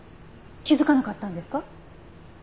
気づかなかったんですか？